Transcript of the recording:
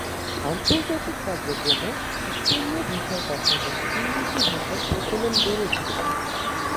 আন্তর্জাতিক কাজকর্মে স্পেনীয় ভাষার পাশাপাশি ইংরেজি ভাষার প্রচলন বেড়েছে।